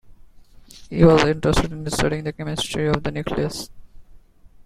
He was interested in studying the chemistry of the nucleus.